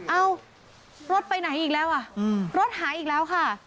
เอ้ารถไปไหนอีกแล้วอ่ะรถหายอีกแล้วค่ะ